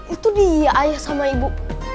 itu dia ayah sama ibu